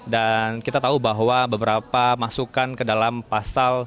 dan kita tahu bahwa beberapa masukan ke dalam pasal